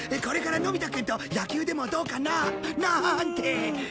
これからのび太くんと野球でもどうかな？なんて。